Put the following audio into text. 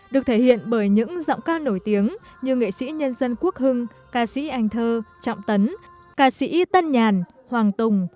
được thể hiện bởi những giọng ca nổi tiếng như nghệ sĩ nhân dân quốc hưng ca sĩ anh thơ trọng tấn ca sĩ tân nhàn hoàng tùng